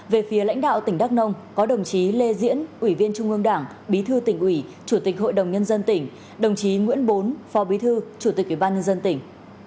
về phía lãnh đạo tỉnh đắk nông có đồng chí lê diễn ủy viên trung ương đảng bí thư tỉnh ủy chủ tịch hội đồng nhân dân tỉnh đồng chí nguyễn bốn phó bí thư chủ tịch ủy ban nhân dân tỉnh